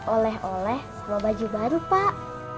oleh oleh sebuah baju baru pak